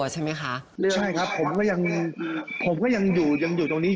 ใช่ครับผมก็ยังอยู่ตรงนี้